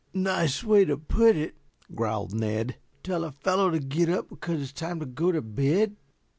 "Nice way to put it," growled Ned. "Tell a fellow to get up because it's time to go to bed."